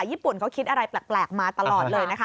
ญี่ปุ่นเขาคิดอะไรแปลกมาตลอดเลยนะคะ